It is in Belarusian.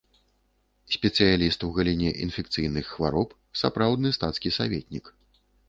Спецыяліст у галіне інфекцыйных хвароб, сапраўдны стацкі саветнік.